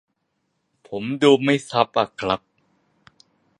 ผมดูไม่ซับอะครับ